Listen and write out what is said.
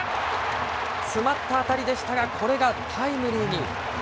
詰まった当たりでしたが、これがタイムリーに。